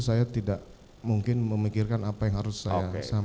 saya tidak mungkin memikirkan apa yang harus saya sampaikan